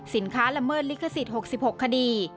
สินค้าละเมิดลิขสิทธิ์๖๖คดี